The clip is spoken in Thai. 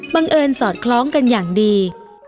บังเอิญสอดคล้องกันอย่างดี